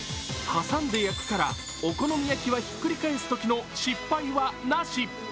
挟んで焼くからお好み焼きはひっくり返すときの失敗はなし。